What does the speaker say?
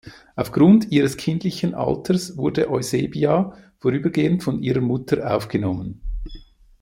Auf Grund ihres kindlichen Alters wurde Eusebia vorübergehend von ihrer Mutter aufgenommen.